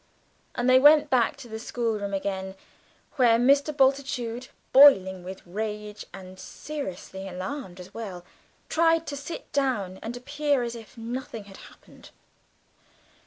And they went back to the schoolroom again, where Mr. Bultitude, boiling with rage and seriously alarmed as well, tried to sit down and appear as if nothing had happened.